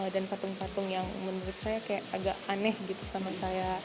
dan patung patung yang menurut saya kayak agak aneh gitu sama saya